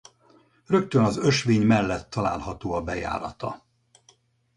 Rögtön az ösvény mellett található a bejárata.